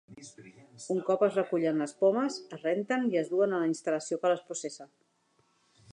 Un cop es recullen les pomes, es renten i es duen a la instal·lació que les processa.